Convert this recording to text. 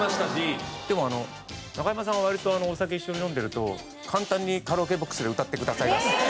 でも中山さん割とお酒一緒に飲んでると簡単にカラオケボックスで歌ってくださいます。